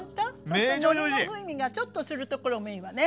そしてのりの風味がちょっとするところもいいわね。